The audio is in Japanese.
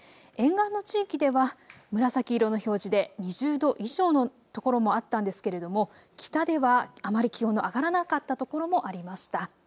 沿岸の地域では紫色の表示で２０度以上のところもあったんですけれども、北ではあまり気温の上がらなかったところもありました。